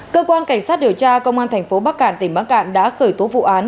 cơ quan cảnh sát điều tra công an thành phố bắc cạn tỉnh bắc cạn đã khởi tố vụ án